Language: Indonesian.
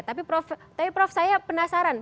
tapi prof saya penasaran